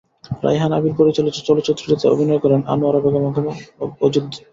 রায়হান আবির পরিচালিত চলচ্চিত্রটিতে অভিনয় করেন আনোয়ারা বেগম এবং অজিত দত্ত।